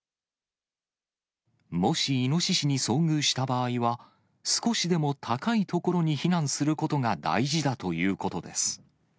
もしイノシシに遭遇した場合は、少しでも高い所に避難することが大事だということです。